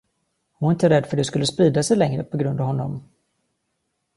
Hon var inte rädd för att det skulle sprida sig längre på grund av honom.